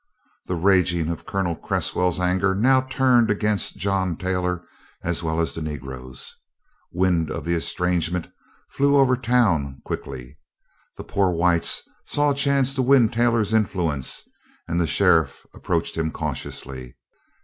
The raging of Colonel Cresswell's anger now turned against John Taylor as well as the Negroes. Wind of the estrangement flew over town quickly. The poor whites saw a chance to win Taylor's influence and the sheriff approached him cautiously.